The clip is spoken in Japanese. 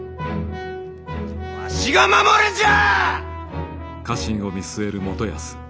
わしが守るんじゃあ！